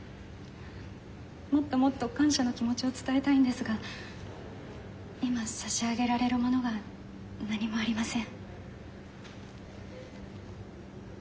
もっともっと感謝の気持ちを伝えたいんですが今差し上げられるものが何もありません。